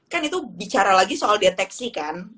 kan itu bicara lagi soal deteksi kan